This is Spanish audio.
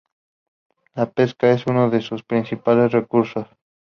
La pesca es uno de sus principales recursos.